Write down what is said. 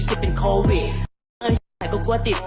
สิทธิ์เป็นโควิดมันก็กลัวติด